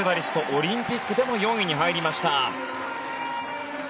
オリンピックでも４位に入りました。